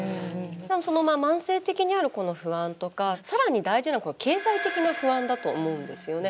その慢性的にある不安とかさらに大事なのは経済的な不安だと思うんですよね。